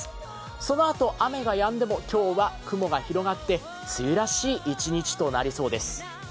そのあと、雨がやんでも今日は雲が広がって梅雨らしい一日となりそうです。